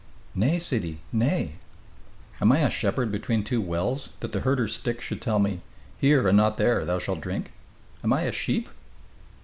"Nay, sidi, nay." "Am I a sheep between two wells, that the herder's stick should tell me, 'Here, and not there, thou shalt drink'? Am I a sheep?"